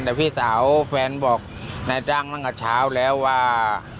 แต่พี่สาวแฟนบอกนายจ้างตั้งแต่เช้าแล้วว่า